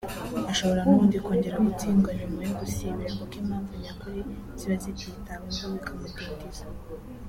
ashobora nubundi kongera gutsindwa nyuma yo gusibira kuko impamvu nyakuri ziba zititaweho bikamudindiza